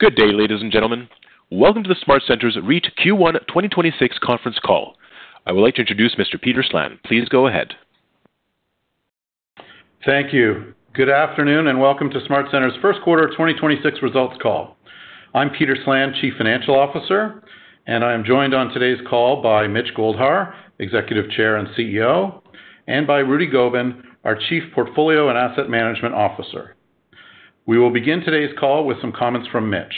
Good day, ladies and gentlemen. Welcome to the SmartCentres REIT Q1 2026 conference call. I would like to introduce Mr. Peter Slan. Please go ahead. Thank you. Good afternoon, and welcome to SmartCentres first quarter 2026 results call. I'm Peter Slan, Chief Financial Officer, and I am joined on today's call by Mitch Goldhar, Executive Chair and CEO, and by Rudy Gobin, our Chief Portfolio and Asset Management Officer. We will begin today's call with some comments from Mitch.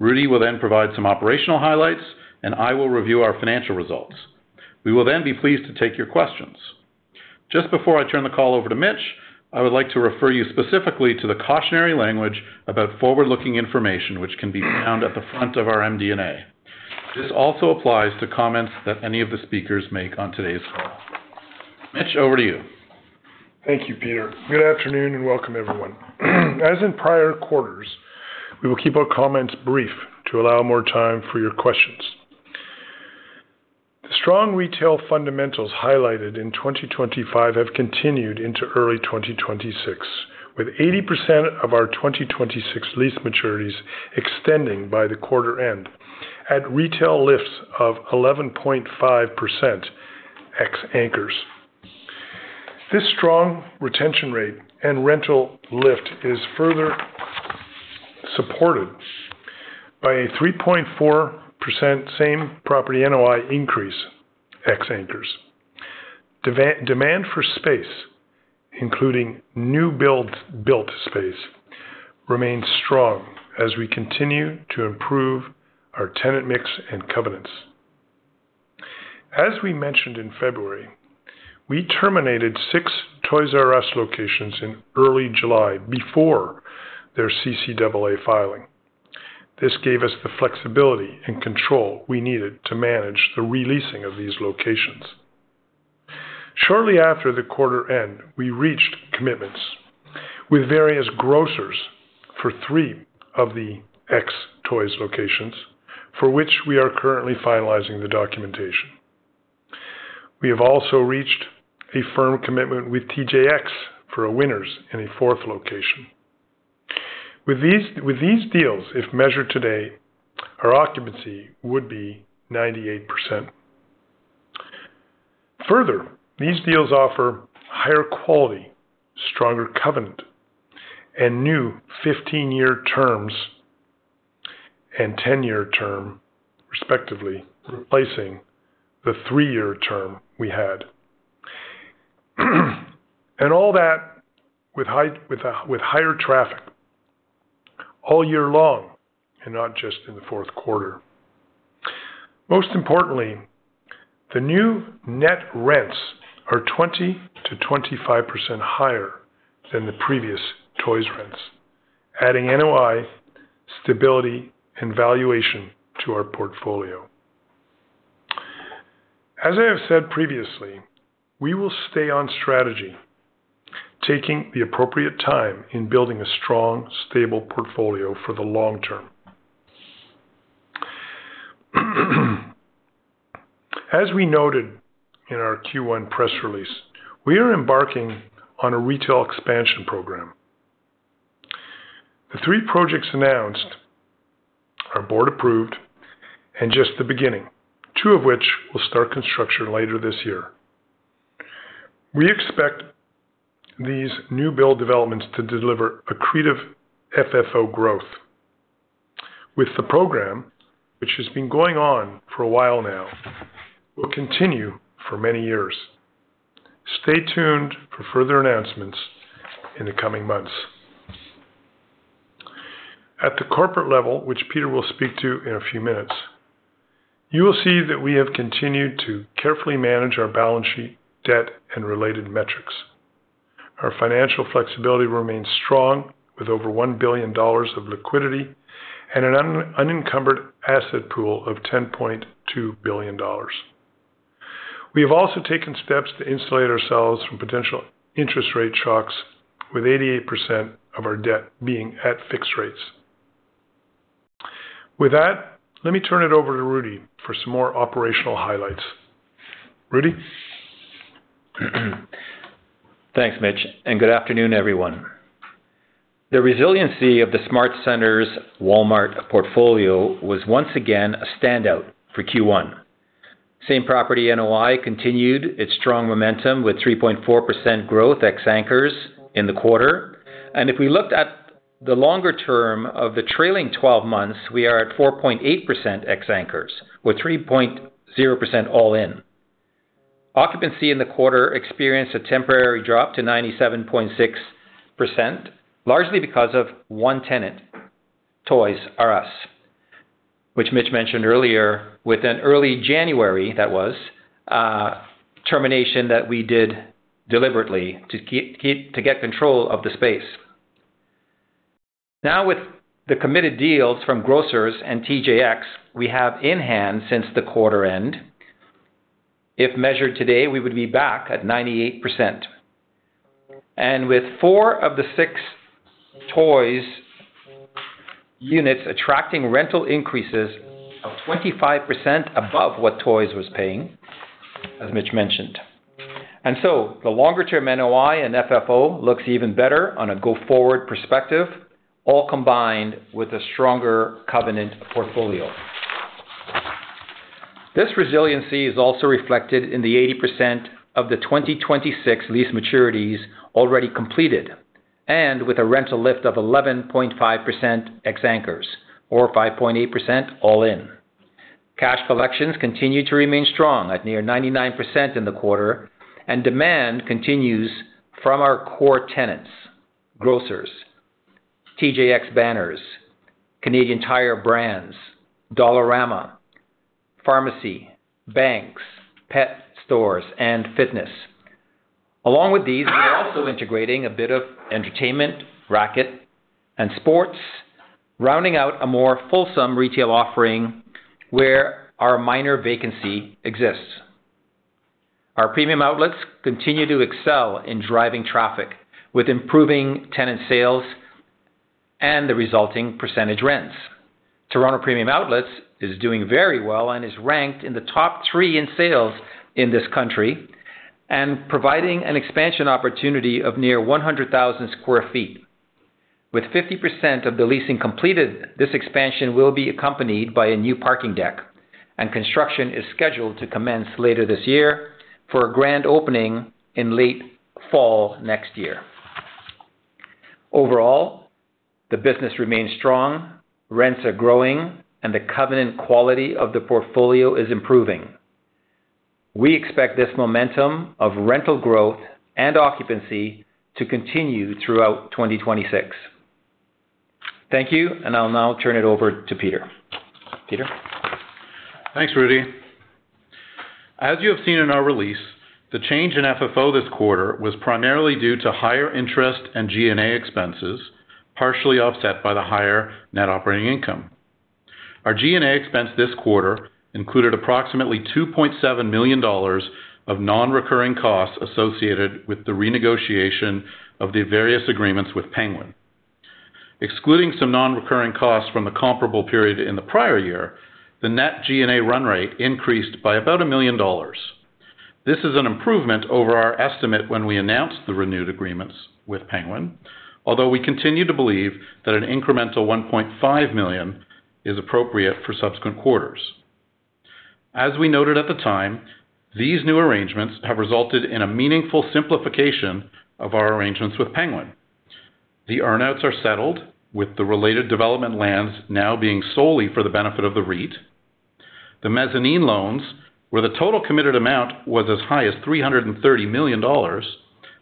Rudy will then provide some operational highlights, and I will review our financial results. We will then be pleased to take your questions. Just before I turn the call over to Mitch, I would like to refer you specifically to the cautionary language about forward-looking information which can be found at the front of our MD&A. This also applies to comments that any of the speakers make on today's call. Mitch, over to you. Thank you, Peter. Good afternoon and welcome, everyone. As in prior quarters, we will keep our comments brief to allow more time for your questions. The strong retail fundamentals highlighted in 2025 have continued into early 2026, with 80% of our 2026 lease maturities extending by the quarter end at retail lifts of 11.5% ex anchors. This strong retention rate and rental lift is further supported by a 3.4% Same-Property NOI increase ex anchors. Demand for space, including new built space, remains strong as we continue to improve our tenant mix and covenants. As we mentioned in February, we terminated six Toys"R"Us locations in early July before their CCAA filing. This gave us the flexibility and control we needed to manage the re-leasing of these locations. Shortly after the quarter end, we reached commitments with various grocers for three of the ex-Toys locations, for which we are currently finalizing the documentation. We have also reached a firm commitment with TJX for a Winners in a fourth location. With these deals, if measured today, our occupancy would be 98%. Further, these deals offer higher quality, stronger covenant, and new 15-year terms and 10-year term respectively, replacing the three-year term we had. All that with higher traffic all year long, and not just in the fourth quarter. Most importantly, the new net rents are 20%-25% higher than the previous Toys rents, adding NOI stability and valuation to our portfolio. As I have said previously, we will stay on strategy, taking the appropriate time in building a strong, stable portfolio for the long term. As we noted in our Q1 press release, we are embarking on a retail expansion program. The three projects announced are board-approved and just the beginning, two of which will start construction later this year. We expect these new build developments to deliver accretive FFO growth. With the program, which has been going on for a while now, will continue for many years. Stay tuned for further announcements in the coming months. At the corporate level, which Peter will speak to in a few minutes, you will see that we have continued to carefully manage our balance sheet, debt, and related metrics. Our financial flexibility remains strong with over 1 billion dollars of liquidity and an unencumbered asset pool of 10.2 billion dollars. We have also taken steps to insulate ourselves from potential interest rate shocks with 88% of our debt being at fixed rates. With that, let me turn it over to Rudy for some more operational highlights. Rudy? Thanks, Mitch. Good afternoon, everyone. The resiliency of the SmartCentres Walmart portfolio was once again a standout for Q1. Same-Property NOI continued its strong momentum with 3.4% growth ex anchors in the quarter. If we looked at the longer term of the trailing 12 months, we are at 4.8% ex anchors, with 3.0% all-in. Occupancy in the quarter experienced a temporary drop to 97.6%, largely because of one tenant, Toys"R"Us, which Mitch mentioned earlier, with an early January, that was a termination that we did deliberately to get control of the space. Now, with the committed deals from Grocers and TJX we have in hand since the quarter end, if measured today, we would be back at 98%. With four of the six Toys R Us units attracting rental increases of 25% above what Toys R Us was paying. As Mitch mentioned. The longer term NOI and FFO looks even better on a go-forward perspective, all combined with a stronger covenant portfolio. This resiliency is also reflected in the 80% of the 2026 lease maturities already completed, and with a rental lift of 11.5% ex anchors, or 5.8% all in. Cash collections continue to remain strong at near 99% in the quarter, and demand continues from our core tenants, grocers, TJX banners, Canadian Tire Brands, Dollarama, pharmacy, banks, pet stores, and fitness. Along with these, we are also integrating a bit of entertainment, racket, and sports, rounding out a more fulsome retail offering where our minor vacancy exists. Our premium outlets continue to excel in driving traffic, with improving tenant sales and the resulting percentage rents. Toronto Premium Outlets is doing very well and is ranked in the top three in sales in this country and providing an expansion opportunity of near 100,000 sq ft. With 50% of the leasing completed, this expansion will be accompanied by a new parking deck. Construction is scheduled to commence later this year for a grand opening in late fall next year. Overall, the business remains strong, rents are growing, and the covenant quality of the portfolio is improving. We expect this momentum of rental growth and occupancy to continue throughout 2026. Thank you. I'll now turn it over to Peter. Peter? Thanks, Rudy. As you have seen in our release, the change in FFO this quarter was primarily due to higher interest and G&A expenses, partially offset by the higher net operating income. Our G&A expense this quarter included approximately 2.7 million dollars of non-recurring costs associated with the renegotiation of the various agreements with Penguin. Excluding some non-recurring costs from the comparable period in the prior year, the net G&A run rate increased by about 1 million dollars. This is an improvement over our estimate when we announced the renewed agreements with Penguin, although we continue to believe that an incremental 1.5 million is appropriate for subsequent quarters. As we noted at the time, these new arrangements have resulted in a meaningful simplification of our arrangements with Penguin. The earn-outs are settled, with the related development lands now being solely for the benefit of the REIT. The mezzanine loans, where the total committed amount was as high as 330 million dollars,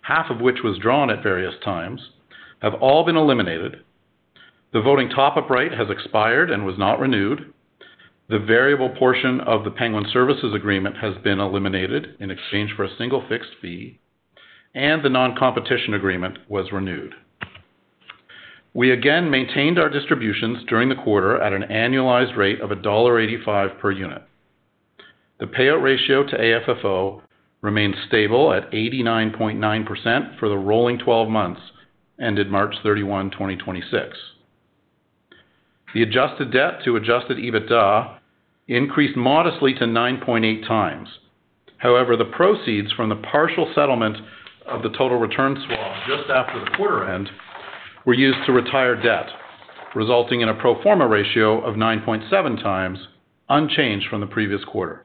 half of which was drawn at various times, have all been eliminated. The voting top-up right has expired and was not renewed. The variable portion of the Penguin Services Agreement has been eliminated in exchange for a single fixed fee, and the non-competition agreement was renewed. We again maintained our distributions during the quarter at an annualized rate of dollar 1.85 per unit. The payout ratio to AFFO remains stable at 89.9% for the rolling 12 months, ended March 31, 2026. The adjusted debt to adjusted EBITDA increased modestly to 9.8x. However, the proceeds from the partial settlement of the total return swap just after the quarter end were used to retire debt, resulting in a pro forma ratio of 9.7x unchanged from the previous quarter.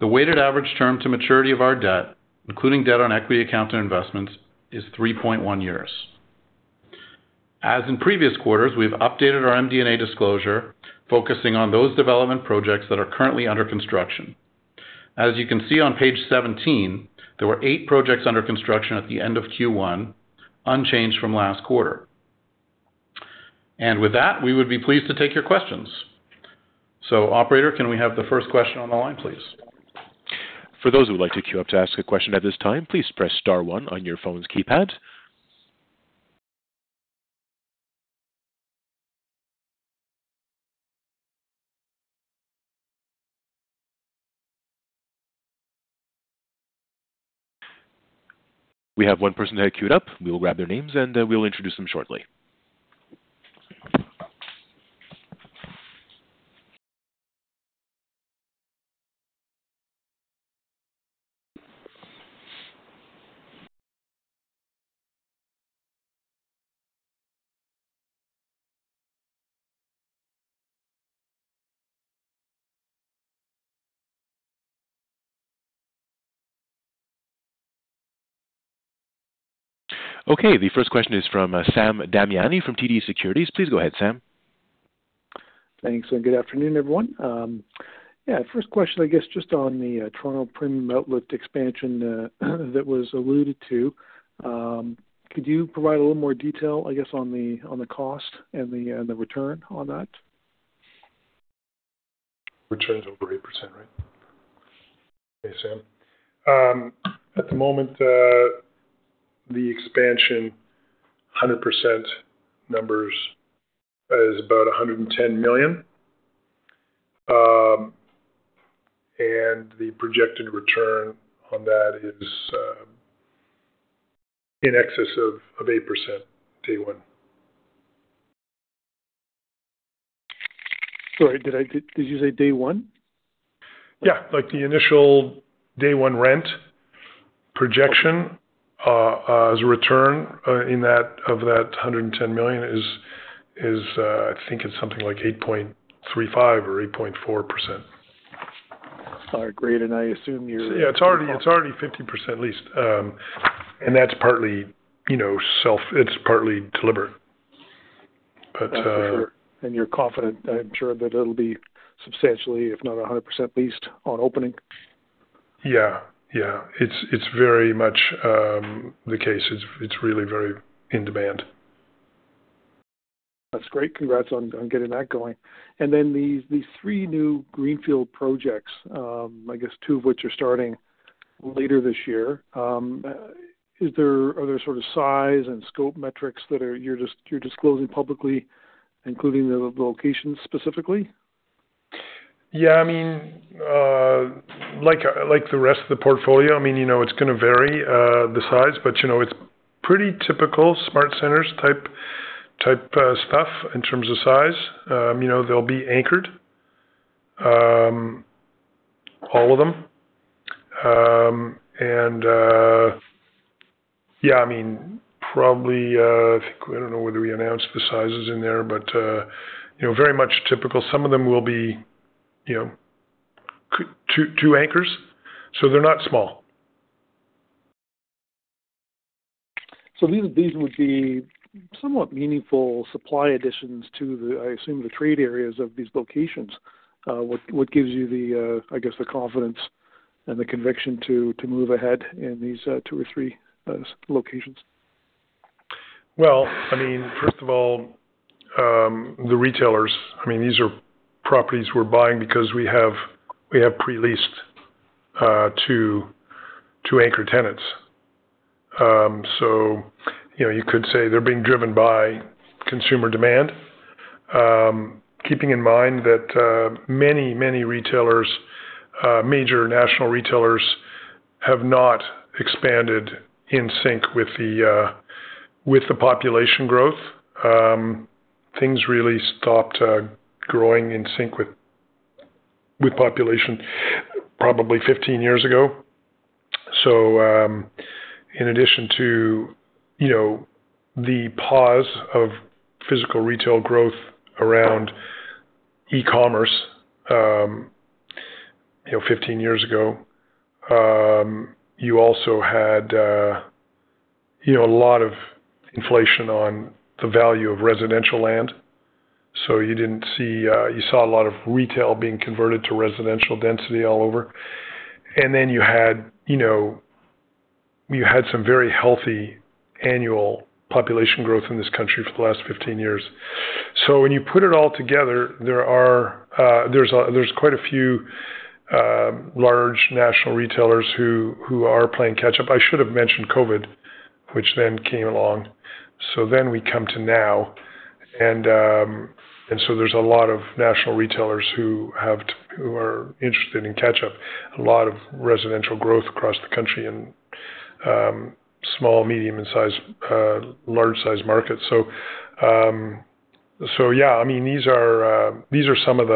The weighted average term to maturity of our debt, including debt on equity account and investments, is 3.1 years. As in previous quarters, we've updated our MD&A disclosure, focusing on those development projects that are currently under construction. As you can see on page 17, there were eight projects under construction at the end of Q1, unchanged from last quarter. With that, we would be pleased to take your questions. Operator, can we have the first question on the line, please? For those who would like to queue up to ask a question at this time, please press star one on your phone's keypad. We have one person that queued up. We will grab their names, and we'll introduce them shortly. Okay. The first question is from Sam Damiani from TD Securities. Please go ahead, Sam. Thanks. Good afternoon, everyone. Yeah, first question, I guess, just on the Toronto Premium Outlet expansion that was alluded to. Could you provide a little more detail, I guess, on the cost and the return on that? Return's over 8%, right? Hey, Sam. At the moment, the expansion 100% numbers is about 110 million. The projected return on that is in excess of 8% day one. Sorry, did you say day one? Like the initial day one rent projection as a return of that 110 million is, I think it's something like 8.35% or 8.4%. All right, great. Yeah, it's already 15% leased. That's partly, you know, it's partly deliberate. That's for sure. You're confident, I'm sure, that it'll be substantially, if not 100% leased on opening. Yeah. Yeah. It's, it's very much the case. It's, it's really very in demand. That's great. Congrats on getting that going. These three new greenfield projects, I guess two of which are starting later this year. Are there sort of size and scope metrics that you're disclosing publicly, including the locations specifically? Yeah, I mean, like the rest of the portfolio, I mean, you know, it's gonna vary the size. You know, it's pretty typical SmartCentres type stuff in terms of size. You know, they'll be anchored, all of them. Yeah, I mean, probably, I think we don't know whether we announced the sizes in there, you know, very much typical. Some of them will be, you know, two anchors, they're not small. These would be somewhat meaningful supply additions to the, I assume, the trade areas of these locations. What gives you the, I guess, the confidence and the conviction to move ahead in these, two or three, locations? Well, first of all, the retailers. These are properties we're buying because we have pre-leased two anchor tenants. You know, you could say they're being driven by consumer demand. Keeping in mind that many retailers, major national retailers have not expanded in sync with the population growth. Things really stopped growing in sync with population probably 15 years ago. In addition to, you know, the pause of physical retail growth around e-commerce, you know, 15 years ago, you also had, you know, a lot of inflation on the value of residential land. You didn't see, you saw a lot of retail being converted to residential density all over. You had, you know, you had some very healthy annual population growth in this country for the last 15 years. When you put it all together, there are, there's quite a few large national retailers who are playing catch up. I should have mentioned COVID, which then came along. We come to now, there's a lot of national retailers who are interested in catch up. A lot of residential growth across the country in small, medium-size, large-size markets. I mean, these are some of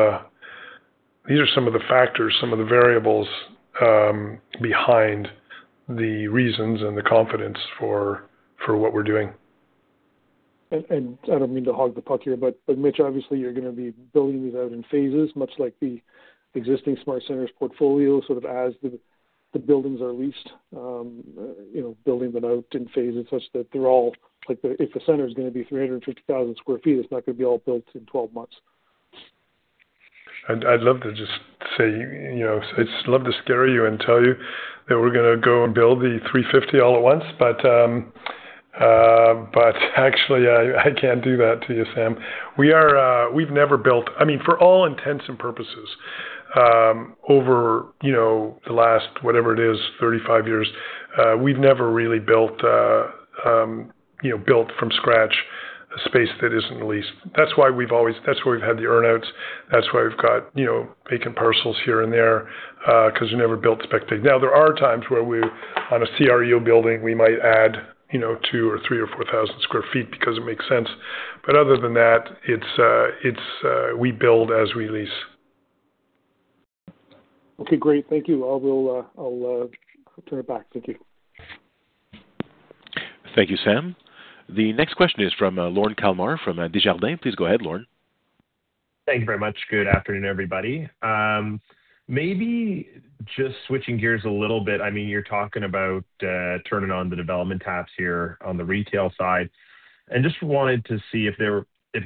the factors, some of the variables behind the reasons and the confidence for what we're doing. I don't mean to hog the puck here, but Mitch, obviously you're gonna be building these out in phases, much like the existing SmartCentres portfolio, sort of as the buildings are leased. You know, building them out in phases such that if the center is gonna be 350,000 sq ft, it's not gonna be all built in 12 months. I'd love to just say, I'd just love to scare you and tell you that we're gonna go and build the 350 all at once. Actually I can't do that to you, Sam. We've never built, I mean, for all intents and purposes, over the last, whatever it is, 35 years, we've never really built a, built from scratch a space that isn't leased. That's why we've always had the earnouts. That's why we've got vacant parcels here and there, 'cause we never built spec space. There are times where on a CRU building, we might add 2,000 sq ft or 3,000 sq ft or 4,000 sq ft because it makes sense. Other than that, it's we build as we lease. Okay, great. Thank you. I will, I'll turn it back. Thank you. Thank you, Sam. The next question is from Lorne Kalmar from Desjardins. Please go ahead, Lorne. Thank you very much. Good afternoon, everybody. Maybe just switching gears a little bit. I mean, you're talking about turning on the development taps here on the retail side. Just wanted to see if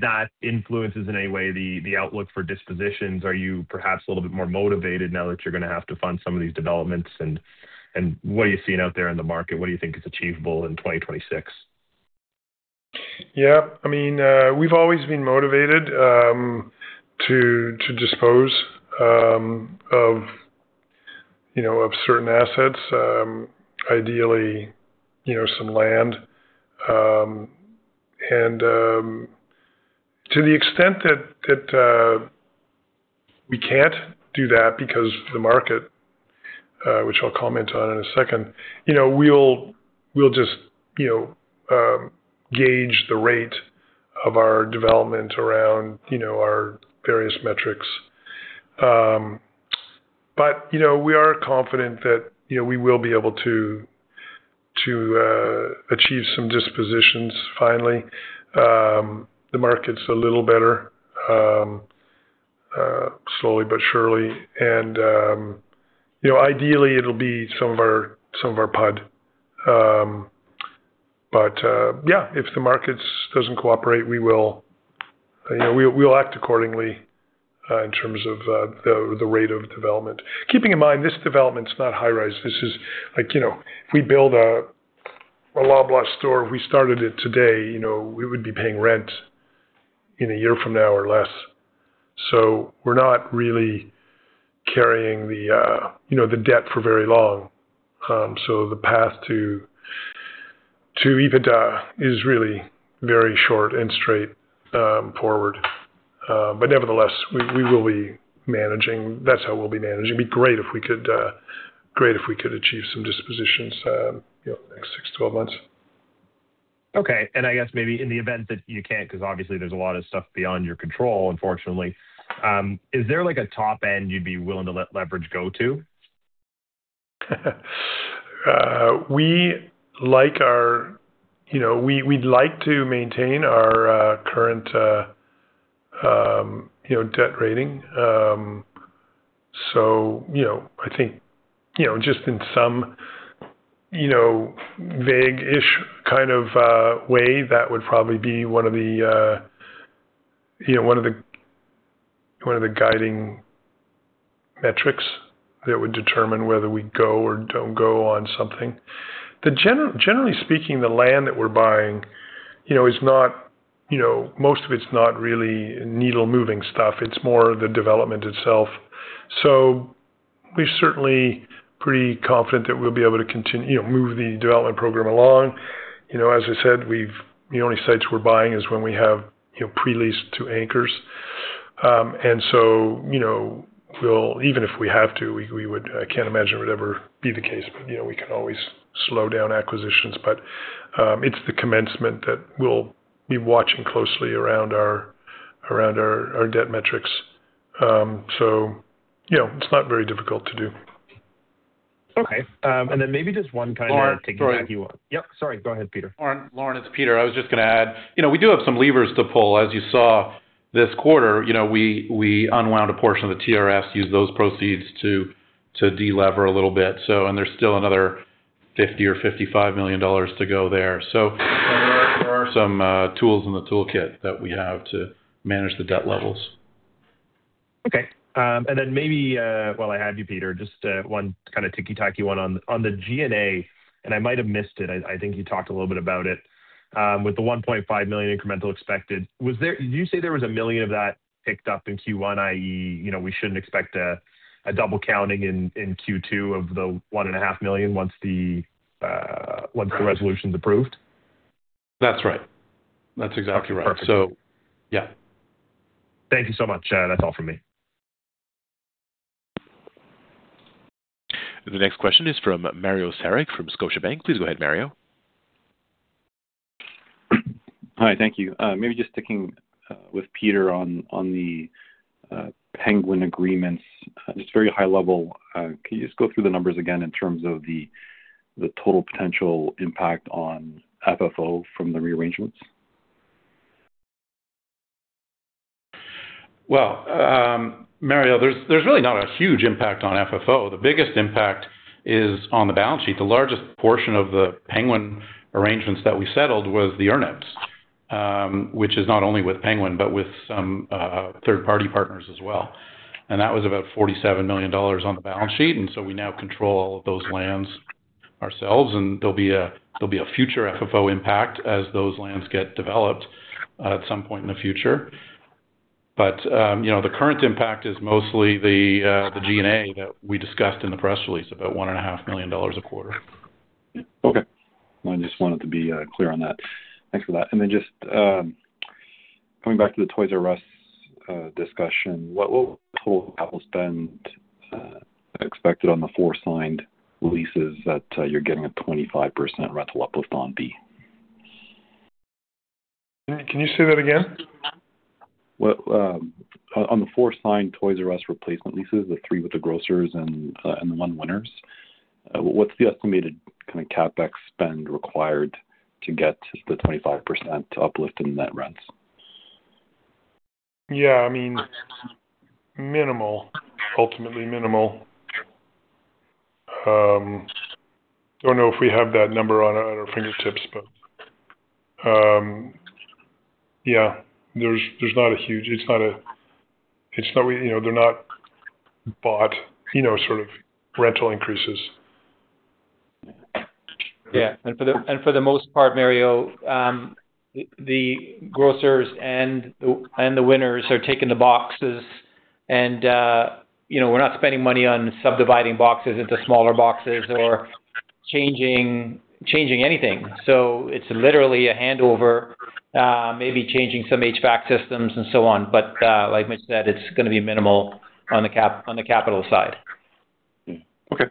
that influences in any way the outlook for dispositions. Are you perhaps a little bit more motivated now that you're gonna have to fund some of these developments? What are you seeing out there in the market? What do you think is achievable in 2026? Yeah. I mean, we've always been motivated to dispose of, you know, certain assets. Ideally, you know, some land. To the extent that we can't do that because the market, which I'll comment on in a second. You know, we'll just, you know, gauge the rate of our development around, you know, our various metrics. But, you know, we are confident that, you know, we will be able to achieve some dispositions finally. The market's a little better, slowly but surely. You know, ideally it'll be some of our PUD. But, yeah. If the markets doesn't cooperate, we will, you know, we'll act accordingly in terms of the rate of development. Keeping in mind this development's not high rise. This is like, you know, if we build a Loblaws store, if we started it today, you know, we would be paying rent in a year from now or less. We're not really carrying the, you know, the debt for very long. The path to EBITDA is really very short and straight forward. Nevertheless, we will be managing. That's how we'll be managing. It'd be great if we could achieve some dispositions, you know, next six to 12 months. Okay. I guess maybe in the event that you can't, because obviously there's a lot of stuff beyond your control, unfortunately, is there like a top end you'd be willing to let leverage go to? You know, we'd like to maintain our current debt rating. You know, I think, you know, just in some, you know, vague-ish kind of way, that would probably be one of the guiding metrics that would determine whether we go or don't go on something. Generally speaking, the land that we're buying, you know, is not, you know, most of it's not really needle-moving stuff. It's more the development itself. We're certainly pretty confident that we'll be able to, you know, move the development program along. You know, as I said, the only sites we're buying is when we have, you know, pre-leased to anchors. You know, we'll Even if we have to, we would, I can't imagine it would ever be the case, but, you know, we can always slow down acquisitions. It's the commencement that we'll be watching closely around our debt metrics. You know, it's not very difficult to do. Okay. Maybe just one. Lorne, sorry. Yep. Sorry. Go ahead, Peter. Lorne, it's Peter. I was just going to add, you know, we do have some levers to pull. As you saw this quarter, you know, we unwound a portion of the TRS, used those proceeds to de-lever a little bit. There's still another 50 million or 55 million dollars to go there. There are some tools in the toolkit that we have to manage the debt levels. Okay. Then maybe, while I have you, Peter, just one kind of ticky-tacky one on the G&A, I might have missed it. I think you talked a little bit about it. With the 1.5 million incremental expected, did you say there was 1 million of that picked up in Q1, i.e., you know, we shouldn't expect a double counting in Q2 of the 1.5 million once the resolution's approved? That's right. That's exactly right. Okay, perfect. Yeah. Thank you so much. That's all from me. The next question is from Mario Saric from Scotiabank. Please go ahead, Mario. Hi. Thank you. Maybe just sticking with Peter on the Penguin agreements, just very high level. Can you just go through the numbers again in terms of the total potential impact on FFO from the rearrangements? Mario, there's really not a huge impact on FFO. The biggest impact is on the balance sheet. The largest portion of the Penguin arrangements that we settled was the earn outs, which is not only with Penguin, but with some third-party partners as well. That was about 47 million dollars on the balance sheet, so we now control all of those lands ourselves, there'll be a future FFO impact as those lands get developed at some point in the future. You know, the current impact is mostly the G&A that we discussed in the press release, about 1.5 million dollars a quarter. Okay. I just wanted to be clear on that. Thanks for that. Just coming back to the Toys"R"Us discussion, what total capital spend expected on the four signed leases that you're getting at 25% rental uplift on B? Can you say that again? What, on the four signed Toys"R"Us replacement leases, the three with the grocers and the one Winners, what's the estimated kind of CapEx spend required to get the 25% uplift in net rents? Yeah, I mean, minimal. Ultimately minimal. Don't know if we have that number on our fingertips, but, yeah. There's not a huge It's not we, you know, they're not bought, you know, sort of rental increases. Yeah. For the most part, Mario, the grocers and the Winners are taking the boxes and, you know, we're not spending money on subdividing boxes into smaller boxes or changing anything. It's literally a handover, maybe changing some HVAC systems and so on. Like Mitch said, it's gonna be minimal on the capital side. Okay.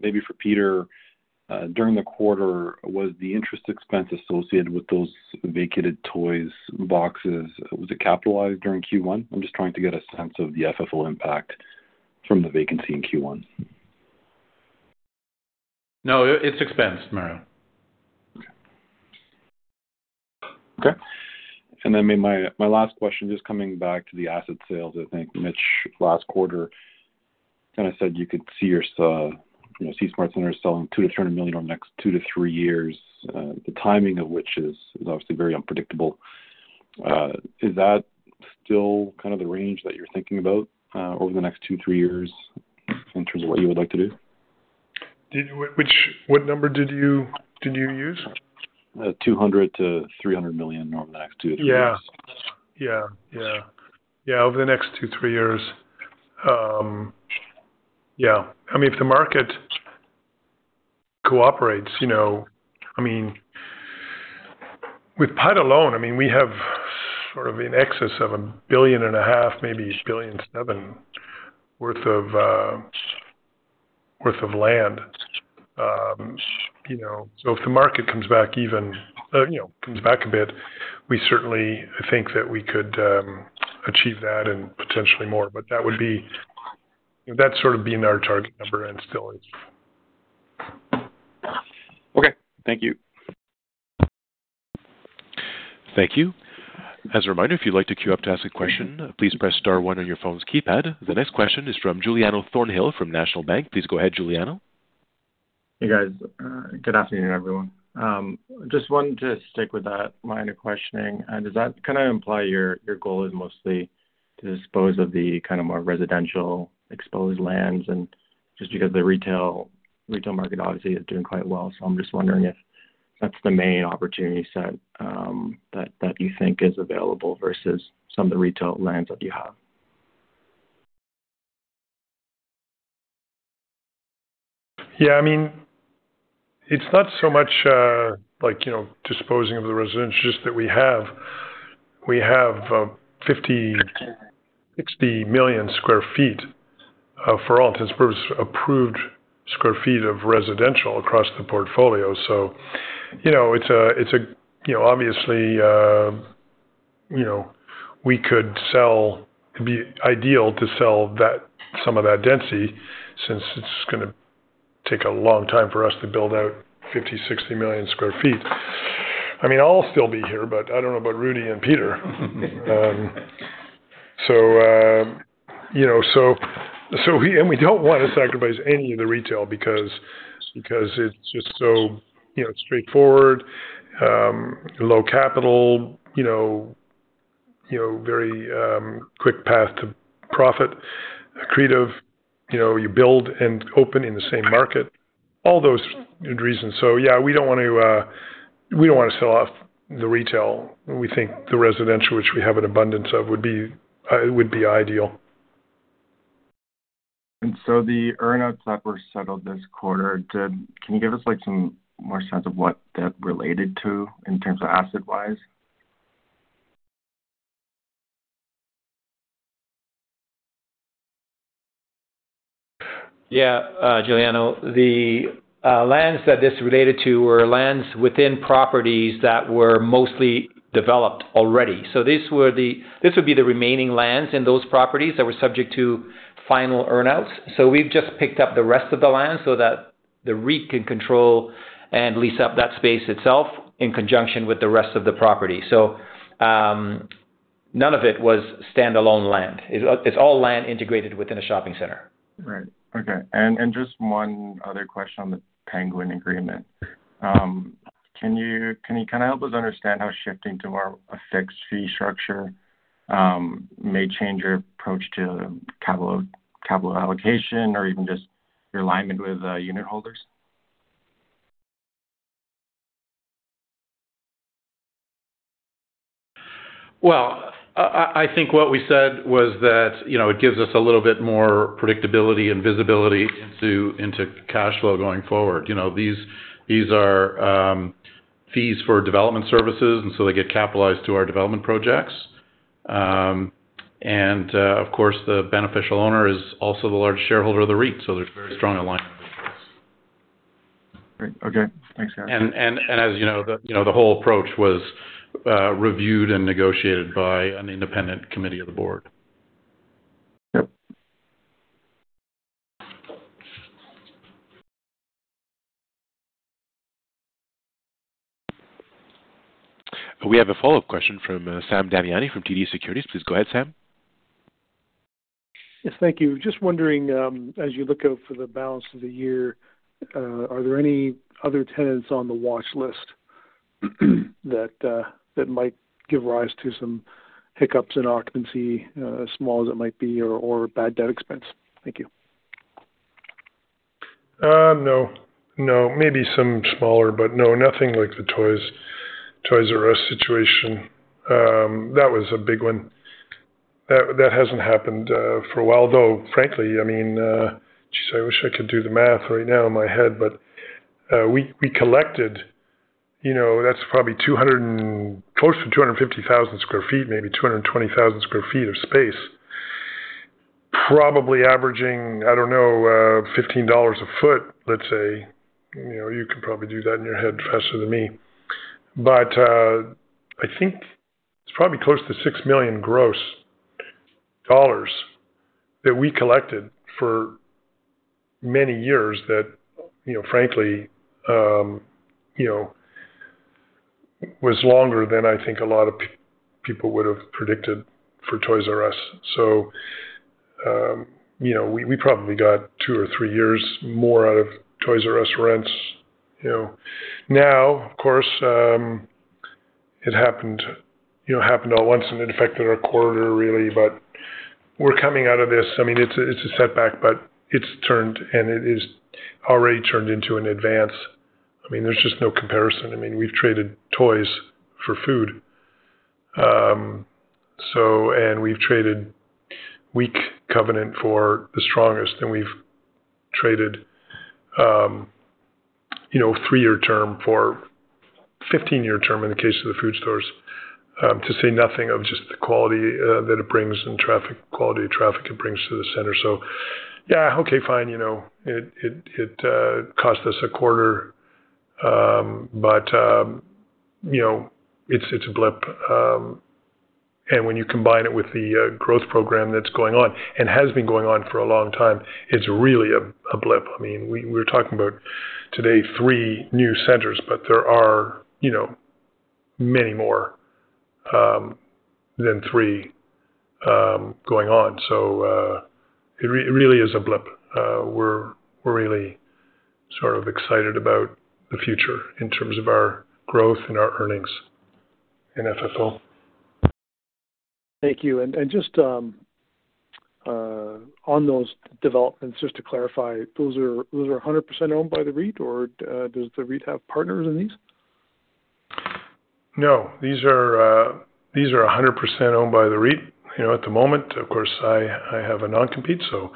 Maybe for Peter, during the quarter, was the interest expense associated with those vacated Toys boxes, was it capitalized during Q1? I'm just trying to get a sense of the FFO impact from the vacancy in Q1. No, it's expense, Mario. Okay. Okay. Maybe my last question, just coming back to the asset sales. I think Mitch last quarter kind of said you could see or saw, you know, SmartCentres selling 200 million-300 million over the next two to three years, the timing of which is obviously very unpredictable. Is that still kind of the range that you're thinking about over the next two, three years in terms of what you would like to do? What number did you use? 200 million-300 million over the next two to three years. Yeah. Over the next two, three years. Yeah. I mean, if the market cooperates, you know. I mean, with PUD alone, I mean, we have sort of in excess of 1.5 billion, maybe 1.7 billion worth of land. You know, if the market comes back even, you know, comes back a bit, we certainly think that we could achieve that and potentially more. That's sort of been our target number and still is. Okay. Thank you. Thank you. As a reminder, if you'd like to queue up to ask a question, please press star one on your phone's keypad. The next question is from Giuliano Thornhill from National Bank. Please go ahead, Giuliano. Hey, guys. Good afternoon, everyone. Just wanted to stick with that line of questioning. Does that kind of imply your goal is mostly to dispose of the kind of more residential exposed lands and just because the retail market obviously is doing quite well. I'm just wondering if that's the main opportunity set that you think is available versus some of the retail lands that you have. It's not so much, like, you know, disposing of the residential. It's just that we have 50 million sq ft, 60 million sq ft, for all intents and purposes, approved sq ft of residential across the portfolio. You know, it's a, it's a, you know, obviously, you know, it'd be ideal to sell some of that density since it's gonna take a long time for us to build out 50 million sq ft, 60 million sq ft. I mean, I'll still be here, but I don't know about Rudy and Peter. You know, we don't want to sacrifice any of the retail because it's just so, you know, straightforward, low capital, you know, very quick path to profit. accretive. You know, you build and open in the same market. All those good reasons. Yeah, we don't wanna sell off the retail. We think the residential, which we have an abundance of, would be ideal. The earn-out that were settled this quarter, can you give us, like, some more sense of what that related to in terms of asset-wise? Yeah, Giuliano. The lands that this related to were lands within properties that were mostly developed already. These would be the remaining lands in those properties that were subject to final earn-outs. We've just picked up the rest of the land so that the REIT can control and lease up that space itself in conjunction with the rest of the property. None of it was standalone land. It's all land integrated within a shopping center. Right. Okay. Just one other question on the Penguin agreement? Can you kind of help us understand how shifting to a fixed fee structure may change your approach to capital allocation or even just your alignment with unitholders? Well, I think what we said was that, you know, it gives us a little bit more predictability and visibility into cash flow going forward. You know, these are fees for development services, so they get capitalized to our development projects. Of course, the beneficial owner is also the largest shareholder of the REIT, so there's very strong alignment with this. Great. Okay. Thanks, guys. As you know, you know, the whole approach was reviewed and negotiated by an independent committee of the Board. Yep. We have a follow-up question from Sam Damiani from TD Securities. Please go ahead, Sam. Yes, thank you. Just wondering, as you look out for the balance of the year, are there any other tenants on the watch list that might give rise to some hiccups in occupancy, small as it might be, or bad debt expense? Thank you. No, no. Maybe some smaller, but no, nothing like the Toys"R"Us situation. That was a big one. That hasn't happened for a while. Frankly, I mean, geez, I wish I could do the math right now in my head. We collected, you know, that's probably 200,000 sq ft and close to 250,000 sq ft, maybe 220,000 sq ft of space. Probably averaging, I don't know, 15 dollars a foot, let's say. You know, you can probably do that in your head faster than me. I think it's probably close to 6 million dollars gross that we collected for many years that, you know, frankly, you know, was longer than I think a lot of people would have predicted for Toys"R"Us. You know, we probably got two or three years more out of Toys "R" Us rents, you know. Now, of course, it happened, you know, happened all at once, and it affected our quarter really, but we're coming out of this. I mean, it's a setback, but it's turned, and it is already turned into an advance. I mean, there's just no comparison. I mean, we've traded toys for food. We've traded weak covenant for the strongest, and we've traded, you know, three-year term for 15-year term in the case of the food stores, to say nothing of just the quality that it brings and traffic, quality of traffic it brings to the center. Yeah, okay, fine. You know, it, it cost us a quarter. You know, it's a blip. When you combine it with the growth program that's going on and has been going on for a long time, it's really a blip. I mean, we're talking about today three new centers. There are, you know, many more than three going on. It really is a blip. We're really sort of excited about the future in terms of our growth and our earnings in FFO. Thank you. Just on those developments, just to clarify, those are 100% owned by the REIT, or does the REIT have partners in these? No, these are 100% owned by the REIT, you know, at the moment. Of course, I have a non-compete. You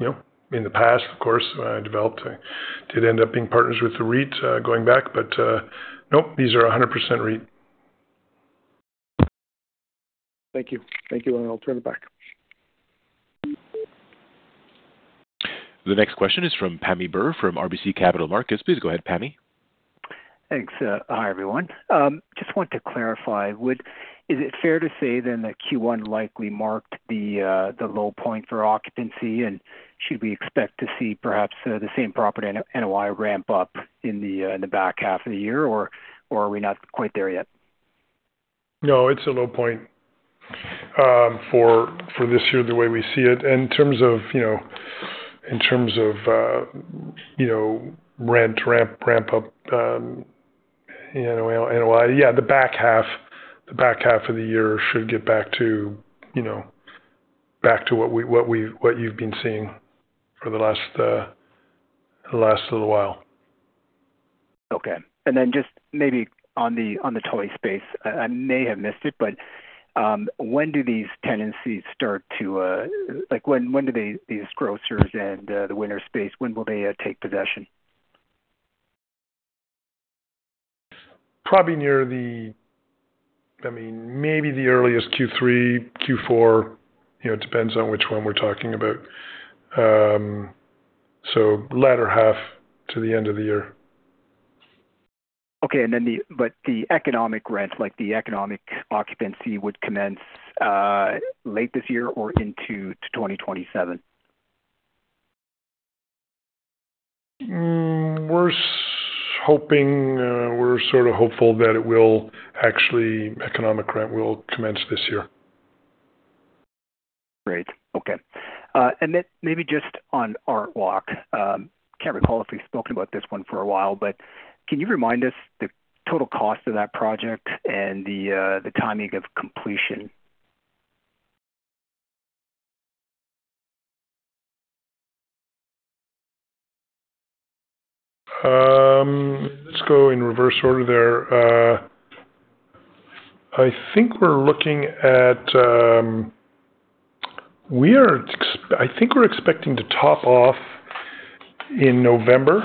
know, in the past, of course, when I developed, I did end up being partners with the REIT, going back. Nope, these are 100% REIT. Thank you. Thank you. I'll turn it back. The next question is from Pammi Bir from RBC Capital Markets. Please go ahead, Pammi. Thanks. Hi, everyone. Just want to clarify. Is it fair to say then that Q1 likely marked the low point for occupancy? Should we expect to see perhaps the Same-Property NOI ramp up in the back half of the year, or are we not quite there yet? No, it's a low point for this year, the way we see it. In terms of, you know, in terms of, you know, rent ramp up, NOI, the back half of the year should get back to, you know, back to what you've been seeing for the last little while. Okay. Just maybe on the toy space. I may have missed it, but Like, when will these grocers and the Winners space take possession? Probably near the I mean, maybe the earliest Q3, Q4. You know, it depends on which one we're talking about. Latter half to the end of the year. Okay. The economic rent, like the economic occupancy would commence late this year or into 2027? We're hoping, we're sort of hopeful that it will actually, economic rent will commence this year. Great. Okay. Maybe just on ArtWalk. Can't recall if we've spoken about this one for a while, but can you remind us the total cost of that project and the timing of completion? Let's go in reverse order there. I think we're looking at, I think we're expecting to top off in November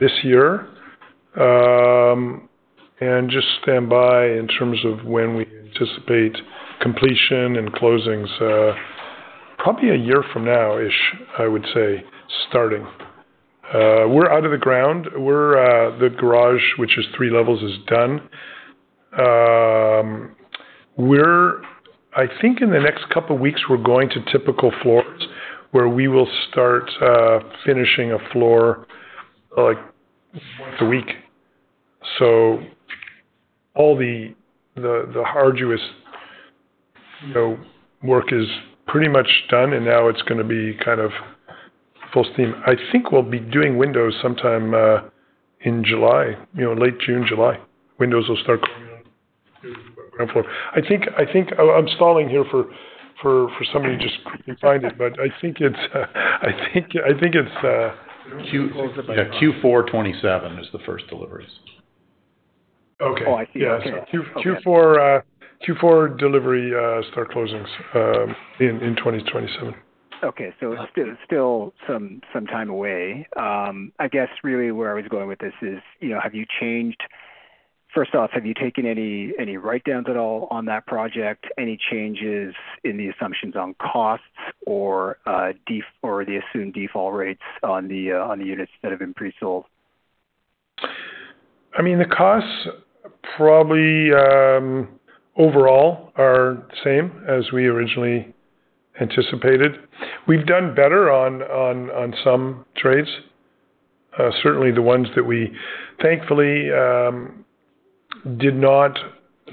this year. Just stand by in terms of when we anticipate completion and closings. Probably a year from now-ish, I would say, starting. We're out of the ground. The garage, which is three levels, is done. I think in the next couple weeks, we're going to typical floors where we will start finishing a floor, like, once a week. All the arduous, you know, work is pretty much done, and now it's gonna be kind of full steam. I think we'll be doing windows sometime in July. You know, late June, July, windows will start going on ground floor. I think I'm stalling here for somebody to just quickly find it, but I think it's. Yeah, Q4 2027 is the first deliveries. Okay. Oh, I see. Okay. Yeah. Q4 delivery, start closings in 2027. Okay. It's still some time away. I guess really where I was going with this is, you know, first off, have you taken any write-downs at all on that project? Any changes in the assumptions on costs or the assumed default rates on the units that have been pre-sold? I mean, the costs probably overall are the same as we originally anticipated. We've done better on some trades. Certainly the ones that we thankfully did not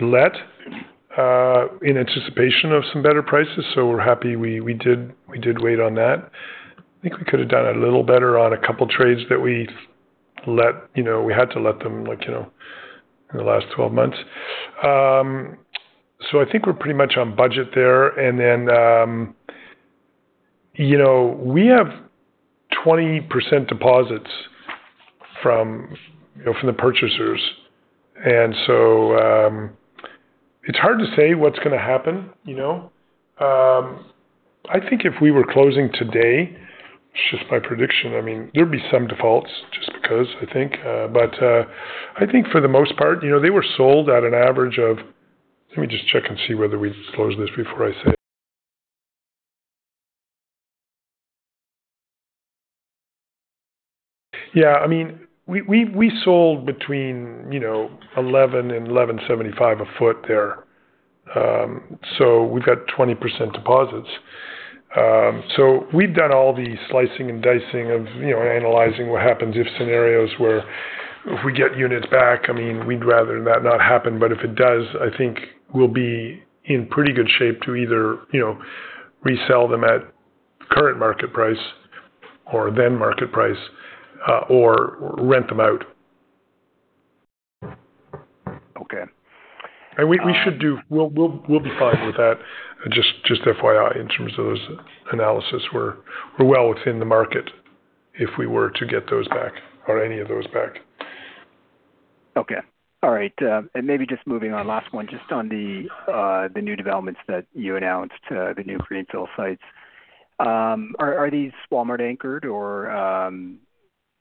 let in anticipation of some better prices, so we're happy we did wait on that. I think we could have done a little better on a couple trades that we let, you know, we had to let them like, you know, in the last 12 months. I think we're pretty much on budget there. You know, we have 20% deposits from, you know, from the purchasers. It's hard to say what's gonna happen, you know. I think if we were closing today, it's just my prediction, I mean, there'd be some defaults just because I think for the most part, you know, they were sold at an average of Let me just check and see whether we closed this before I say it. Yeah. I mean, we sold between, you know, 11 ft and 11.75 ft there. We've got 20% deposits. We've done all the slicing and dicing of, you know, analyzing what happens if scenarios where if we get units back. I mean, we'd rather that not happen, but if it does, I think we'll be in pretty good shape to either, you know, resell them at current market price or then market price or rent them out. Okay. We'll be fine with that. Just FYI, in terms of those analyses, we're well within the market if we were to get those back or any of those back. Okay. All right. Maybe just moving on. Last one, just on the new developments that you announced, the new greenfield sites. Are these Walmart anchored or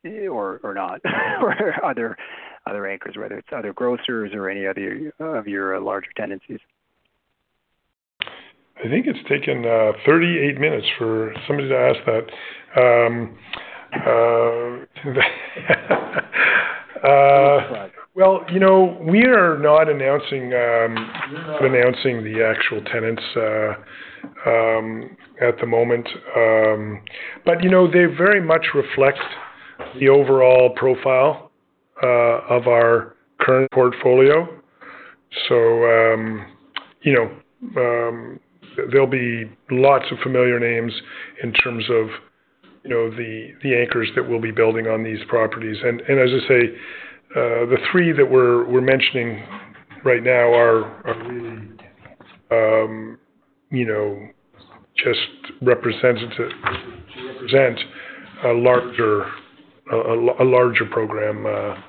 not? Or are there other anchors, whether it's other grocers or any other of your larger tenancies? I think it's taken 38 minutes for somebody to ask that. Well, you know, we are not announcing the actual tenants at the moment. You know, they very much reflect the overall profile of our current portfolio. You know, there'll be lots of familiar names in terms of, you know, the anchors that we'll be building on these properties. As I say, the three that we're mentioning right now are really, you know, just represent a larger, a larger program, a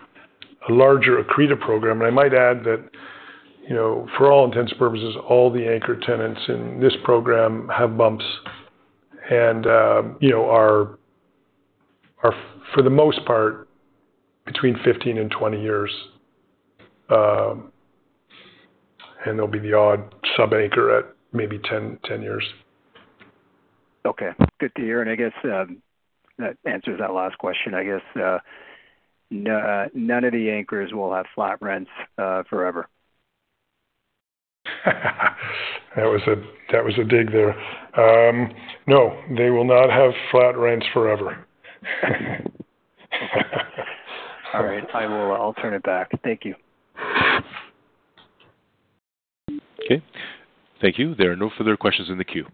larger accretive program. I might add that, you know, for all intents and purposes, all the anchor tenants in this program have bumps and, you know, are for the most part between 15 and 20 years. There'll be the odd sub-anchor at maybe 10 years. Okay. Good to hear. I guess, that answers that last question, I guess. None of the anchors will have flat rents forever. That was a dig there. No, they will not have flat rents forever. All right. I'll turn it back. Thank you. Okay. Thank you. There are no further questions in the queue.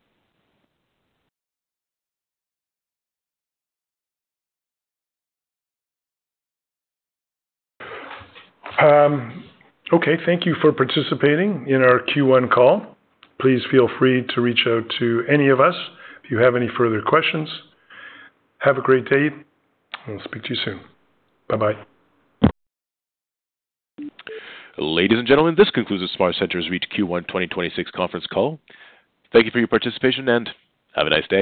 Okay. Thank you for participating in our Q1 call. Please feel free to reach out to any of us if you have any further questions. Have a great day. We'll speak to you soon. Bye-bye. Ladies and gentlemen, this concludes the SmartCentres REIT Q1 2026 conference call. Thank you for your participation, and have a nice day.